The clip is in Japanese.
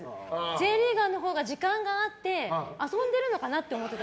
Ｊリーガーのほうが時間があって遊んでいるのかと思った。